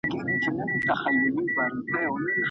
واعظانو ته د کورني نظام د تنظيم دنده سپارل سوې ده.